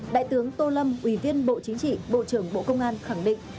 đại tướng tô lâm ủy viên bộ chính trị bộ trưởng bộ công an khẳng định